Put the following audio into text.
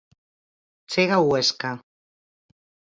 Chega o Huesca.